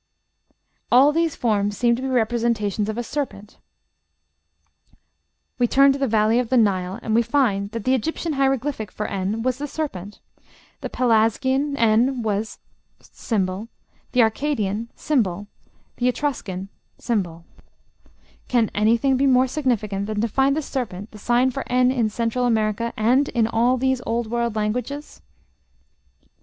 All these forms seem to be representations of a serpent; we turn to the valley of the Nile, and we find that the Egyptian hieroglyphic for n was the serpent, ###; the Pelasgian n was ###; the Arcadian, ###; the Etruscan, ###. Can anything be more significant than to find the serpent the sign for n in Central America, and in all these Old World languages?